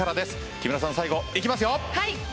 木村さん、最後いきますよ。